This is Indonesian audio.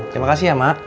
terima kasih ya emak